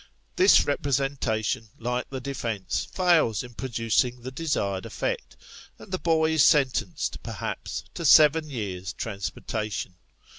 This representation, like the defence, fails in producing the desired effect, and the boy is sentenced, perhaps, to seven years' transportation.